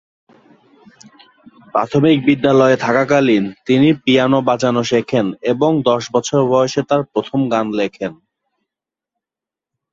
প্রাথমিক বিদ্যালয়ে থাকাকালীন তিনি পিয়ানো বাজানো শেখেন এবং দশ বছর বয়সে তার প্রথম গান লেখেন।